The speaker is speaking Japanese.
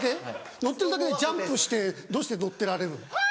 乗ってるだけでジャンプしてどうして乗ってられるの？